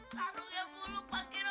sarung ya buluk pak gino